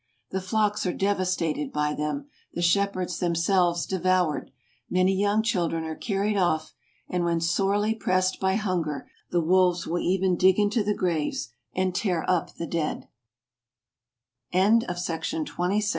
The flocks are devastated by them; the shepherds themselves devoured; many young children are carried off; and when sorely pressed by hunger, the wolves will even dig into the graves, and tear up t